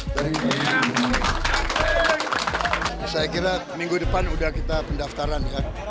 saya kira minggu depan sudah kita pendaftaran